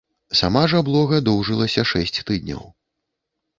Сама ж аблога доўжылася шэсць тыдняў.